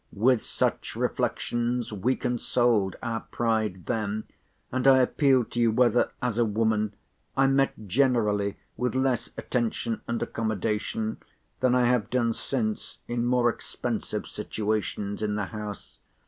With such reflections we consoled our pride then—and I appeal to you, whether, as a woman, I met generally with less attention and accommodation, than I have done since in more expensive situations in the house?